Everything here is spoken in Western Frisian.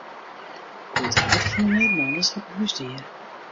Goed de helte fan de Nederlanners hat in húsdier.